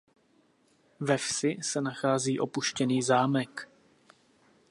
Ve vsi se nachází opuštěný zámek.